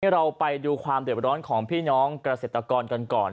เราไปดูความเดือดร้อนของพี่น้องเกษตรกรกันก่อน